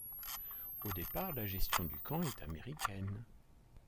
Au départ, la gestion du camp est américaine.